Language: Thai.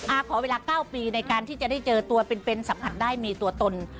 ขอเวลา๙ปีในการที่จะได้เจอตัวเป็นสัมผัสได้มีตัวตน